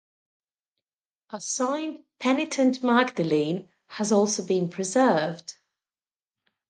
A signed "Penitent Magdalene" has also been preserved.